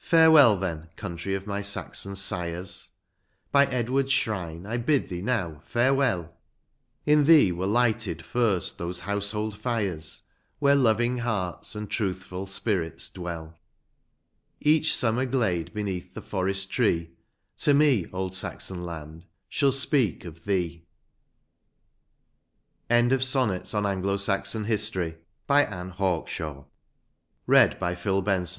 Farewell, then, country of my Saxon sires ! By Edward's shrine I bid thee now farewell; In thee were lighted first those household fires Where loving hearts and truthful spirits dwell ; Each summer glade beneath the forest tree, To me, old Saxon land, shall speak of thee ! LOKDOH: PRtNTSD BY WOODPALL AKD KIXDBR, AKOBL COURT, 8RINNKR 8TKEKT.